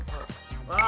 ああ